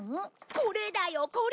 これだよこれ。